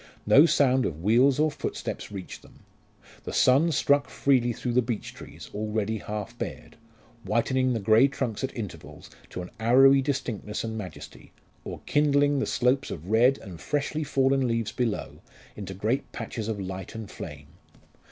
No sound of wheels or footsteps reached them. The sun struck freely through the beech trees, already half bared, whitening the grey trunks at intervals to an arrowy distinctness and majesty, or kindling the slopes of red and freshly fallen leaves below into great patches of light and flame.